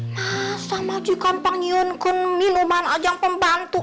masa majikan pengiunkun minuman aja yang pembantu